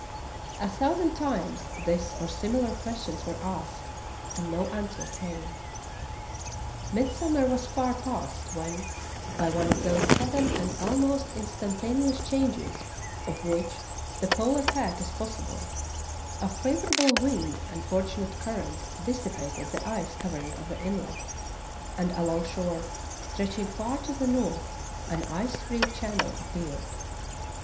A thousand 52 True Tales of Arctic Heroism times this or similar questions were asked, and no an swer came. Midsummer was far past when, by one of those sudden and almost instantaneous changes of which the polar pack is possible, a favorable wind and fortunate current dissipated the ice covering of the inlet, and alongshore, stretching far to the north, an ice free channel appeared.